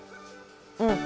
うん！